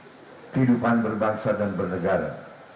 untuk kehidupan berbangsa dan bernegara